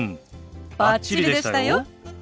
バッチリでしたよ。